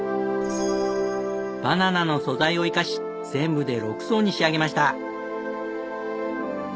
バナナの素材を生かし全部で６層に仕上げました。